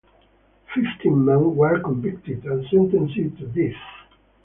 Fifteen men were convicted and sentenced to death.